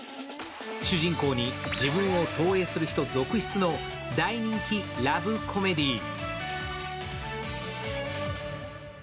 主人公に自分を投影する人続出の大人気ラブコメディー。